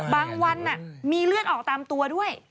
วันมีเลือดออกตามตัวด้วย